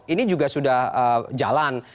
ini juga sudah jalan